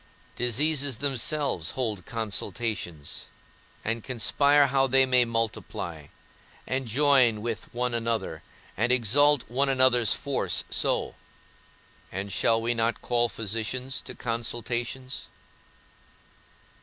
Diseases themselves hold consultations, and conspire how they may multiply, and join with one another, and exalt one another's force so; and shall we not call physicians to consultations?